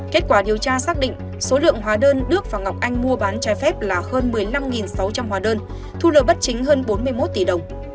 kết quả điều tra xác định số lượng hóa đơn đức và ngọc anh mua bán trái phép là hơn một mươi năm sáu trăm linh hóa đơn thu lời bất chính hơn bốn mươi một tỷ đồng